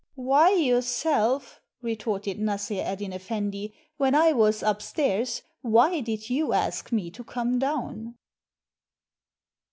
"Why, yourself?" retorted Nassr Eddyn Effendi; "when I was upstairs, why did you ask me to come down?"